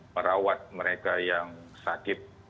merawat mereka yang sakit